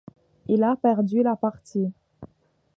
Il a perdu la partie.